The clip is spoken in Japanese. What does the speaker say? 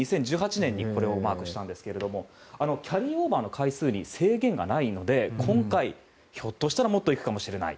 ２０１８年にこれをマークしたんですがキャリーオーバーの回数に制限がないのでこんかい、ひょっとしたらもっといくかもしれない。